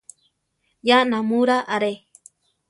Ya námura are!